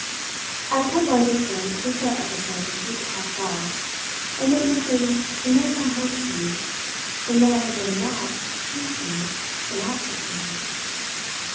I had kept my distance since our episode with the pastels, and yet nothing could more come home to me than that I had really not, since then, been absent from her.